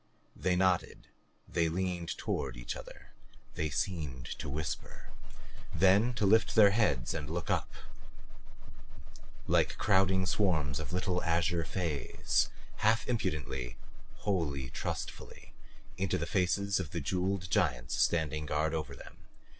They nodded, they leaned toward each other, they seemed to whisper then to lift their heads and look up like crowding swarms of little azure fays, half impudently, wholly trustfully, into the faces of the jeweled giants standing guard over them.